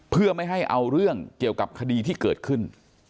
เพื่อไม่ให้เอาเรื่องเกี่ยวกับคดีที่เกิดขึ้น